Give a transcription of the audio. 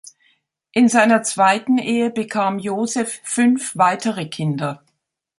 In seiner zweiten Ehe bekam Joseph fünf weitere Kinder.